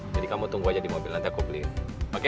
jadi kamu tunggu aja di mobil nanti aku beliin oke